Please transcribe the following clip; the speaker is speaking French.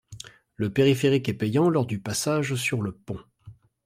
Le périphérique est payant lors du passage sur le pont.